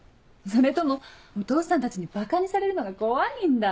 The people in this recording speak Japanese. それともお父さんたちにばかにされるのが怖いんだ。